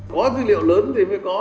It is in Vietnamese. có dữ liệu lớn thì mới có